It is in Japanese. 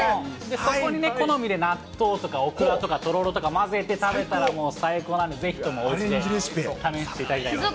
そこにね、好みで納豆とかオクラとかとろろとか混ぜて食べたらもう、最高なんで、ぜひともおうちで試していただきたいと思います。